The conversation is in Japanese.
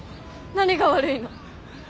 何が悪いの？